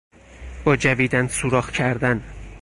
با جویدن سوراخ کردن